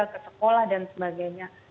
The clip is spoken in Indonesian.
ke sekolah dan sebagainya